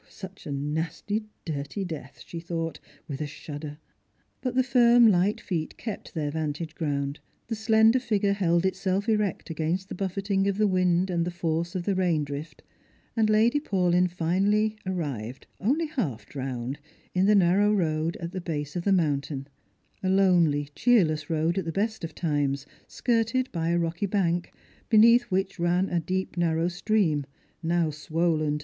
Such a nasty dirty death !" she thought, with a shudder. But the firm light feet kept their vantage ground, the slender figure held itself erect against the buffeting of the wind and the force of the raindrift, and Lady Paulyn arrived finally, only half drowned, in the narrow road at the base of the mountain— a lonely cheerless road, at the best of times, skirted by a rocky bank, beneath which ran a deep narrow stream, now swollen t<r Strangers and Pilgrims.